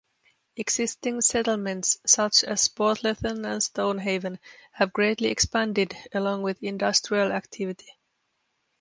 Existing settlements such as Portlethen and Stonehaven have greatly expanded, along with industrial activity.